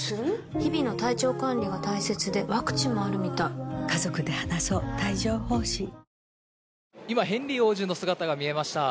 日々の体調管理が大切でワクチンもあるみたい今、ヘンリー王子の姿が見えました。